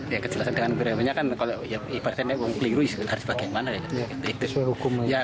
ya kejelasan dengan periodenya kan kalau ya ibaratnya keliru harus bagaimana ya